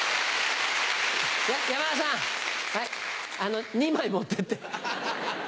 山田さん２枚持ってって。